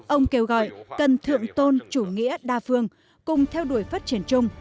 ông kêu gọi cần thượng tôn chủ nghĩa đa phương cùng theo đuổi phát triển chung